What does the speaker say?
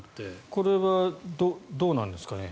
これはどうなんですかね。